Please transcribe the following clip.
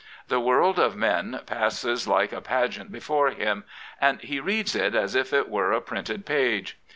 The world of men passes like a pageant before him, and he reads it as if it were a printed page.